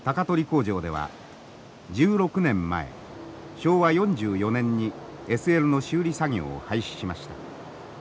工場では１６年前昭和４４年にＳＬの修理作業を廃止しました。